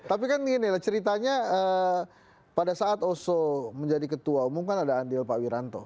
tapi kan gini lah ceritanya pada saat oso menjadi ketua umum kan ada andil pak wiranto